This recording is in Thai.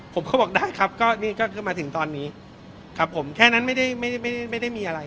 เขาบอกได้ครับก็นี่ก็คือมาถึงตอนนี้ครับผมแค่นั้นไม่ได้ไม่ได้มีอะไร